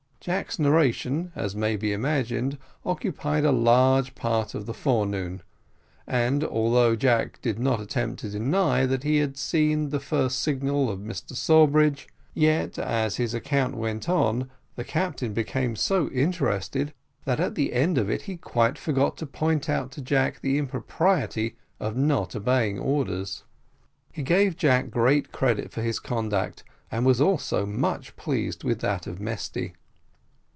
Jack's narration, as may be imagined, occupied a large part of the forenoon; and, although Jack did not attempt to deny that he had seen the recall signal of Mr Sawbridge, yet, as his account went on, the captain became so interested that at the end of it he quite forgot to point out to Jack the impropriety of not obeying orders. He gave Jack great credit for his conduct, and was also much pleased with that of Mesty.